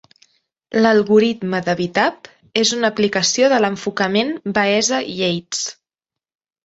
L'algoritme de bitap és una aplicació de l'enfocament Baeza–Yates.